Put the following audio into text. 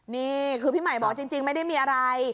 นี่คือพี่ใหม่บอกจริงไม่ได้มีอะไร